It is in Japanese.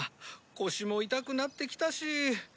腰も痛くなってきたし。